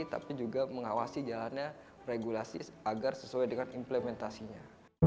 tapi juga mengawasi jalannya regulasi agar sesuai dengan implementasinya